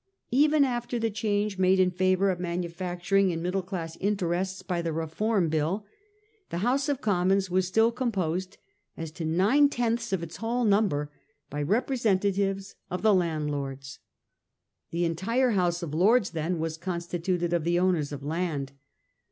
Even after the change made in favour of manufacturing and middle class interests by the Eeform Bill, the House of Commons was still com posed, as to nine tenths of its whole number, by representatives of the landlords. The entire House of Lords then was constituted of the owners of land.